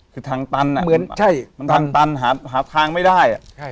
คือทางตันนะทางตันหาทางไม่ได้อะเหมือนใช่